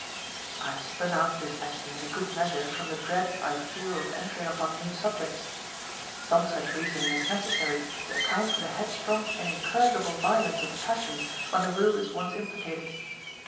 I have spun out this Essay in a good measure from the dread I feel of entering upon new subjects. Some such reasoning is necessary to account for the headstrong and incorrigible violence of the passions when the will is once implicated.